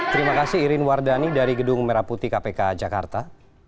terima kasih irin wardani dari gedung merah putih kpk jakarta